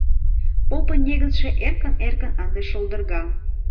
Попын негызше эркын-эркын ынде шолдырга.